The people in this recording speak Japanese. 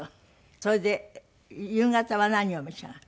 それで夕方は何を召し上がる？